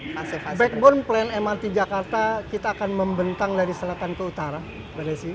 backbone plan mrt jakarta kita akan membentang dari selatan ke utara